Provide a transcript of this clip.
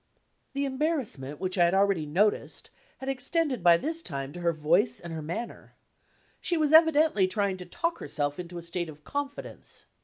The embarrassment which I had already noticed had extended by this time to her voice and her manner. She was evidently trying to talk herself into a state of confidence.